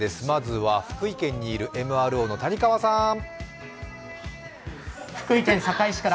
まずは福井県にいるＭＲＯの谷川さん